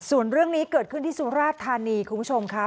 ส่วนเรื่องนี้เกิดขึ้นที่สุราชธานีคุณผู้ชมค่ะ